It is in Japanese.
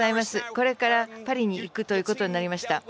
これから、パリに行くということになりました。